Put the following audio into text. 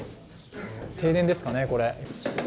停電ですかね、これ。